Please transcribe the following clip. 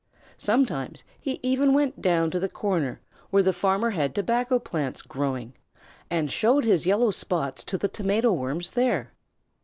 Sometimes he even went down to the corner where the farmer had tobacco plants growing, and showed his yellow spots to the Tomato Worms there.